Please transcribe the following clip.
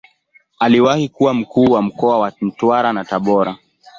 Aliwahi kuwa Mkuu wa mkoa wa Mtwara na Tabora.